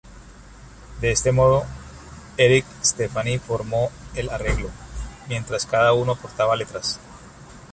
De este modo, Eric Stefani formó el arreglo, mientras cada uno aportada letras.